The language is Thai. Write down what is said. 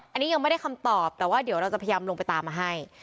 อันนี้ยังไม่ได้คำตอบแต่ว่าเดี๋ยวเราจะพยายามลงไปตามมาให้